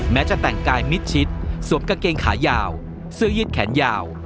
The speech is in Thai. จะแต่งกายมิดชิดสวมกางเกงขายาวเสื้อยืดแขนยาว